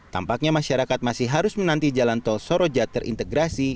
tampaknya masyarakat masih harus menanti jalan tol soroja terintegrasi